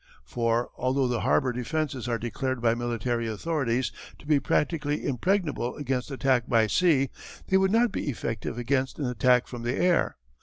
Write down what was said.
For, although the harbour defences are declared by military authorities to be practically impregnable against attack by sea, they would not be effective against an attack from the air.